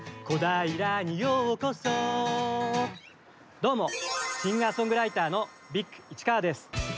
どうも、シンガーソングライターのＢｉｇ市川です。